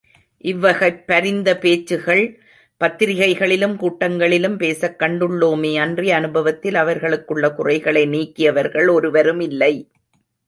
இவ்வகைப் பரிந்த பேச்சுகள் பத்திரிகைகளிலும் கூட்டங்களிலும் பேசக் கண்டுள்ளோமன்றி அனுபவத்தில் அவர்களுக்குள்ள குறைகளை நீக்கியவர்கள் ஒருவருமில்லை.